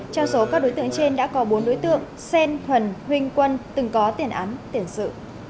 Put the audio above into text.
trong số các đối tượng trên đã có bốn đối tượng sen thuần quân từng có tiền án tiền sự